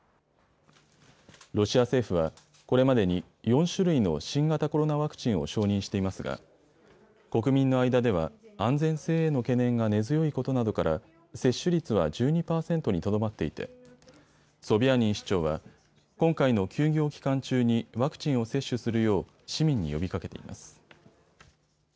ロシア政府はこれまでに４種類の新型コロナワクチンを承認していますが国民の間では安全性への懸念が根強いことなどから接種率は１２％にとどまっていてソビャーニン市長は今回の休業期間中にワクチンを接種するよう市民に呼びかけています。